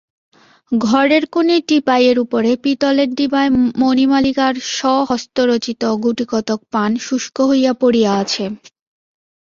ঘরের কোণে টিপাইয়ের উপরে পিতলের ডিবায় মণিমালিকার স্বহস্তরচিত গুটিকতক পান শুষ্ক হইয়া পড়িয়া আছে।